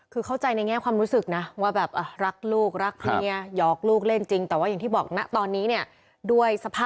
คือเข้าใจในแง่ความรู้สึกนะ